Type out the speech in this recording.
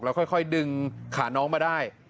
ค่อยดึงขาน้องมาได้